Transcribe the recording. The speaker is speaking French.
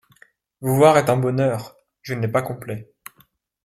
Vous voir est un bonheur ; je ne l’ai pas complet.